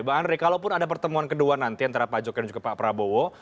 bang andre kalaupun ada pertemuan kedua nanti antara pak jokowi dan juga pak prabowo